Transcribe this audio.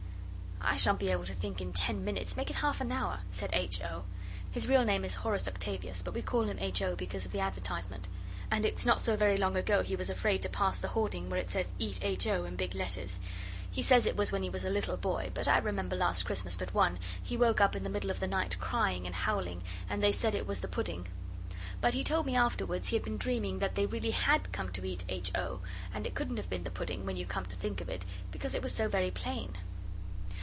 'I shan't be able to think in ten minutes, make it half an hour,' said H. O. His real name is Horace Octavius, but we call him H. O. because of the advertisement, and it's not so very long ago he was afraid to pass the hoarding where it says 'Eat H. O.' in big letters. He says it was when he was a little boy, but I remember last Christmas but one, he woke in the middle of the night crying and howling, and they said it was the pudding. But he told me afterwards he had been dreaming that they really had come to eat H. O., and it couldn't have been the pudding, when you come to think of it, because it was so very plain.